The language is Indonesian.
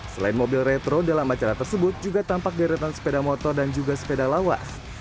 selain mobil retro dalam acara tersebut juga tampak deretan sepeda motor dan juga sepeda lawas